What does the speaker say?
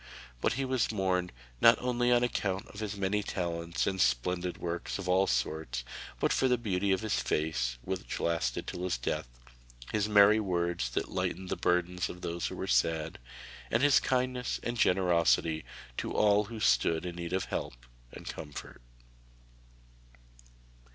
But he was mourned, not only on account of his many talents and splendid works of all sorts, but for the beauty of his face, which lasted till his death, his merry words that lightened the burden of those who were sad, and his kindness and generosity to all who stood in need of help and comfort.